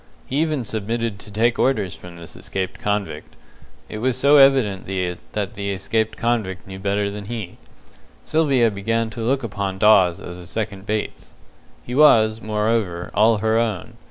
He even submitted to take orders from this escaped convict it was so evident that the escaped convict knew better than he. Sylvia began to look upon Dawes as a second Bates. He was, moreover, all her own.